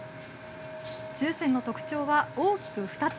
注染の特徴は大きく２つ。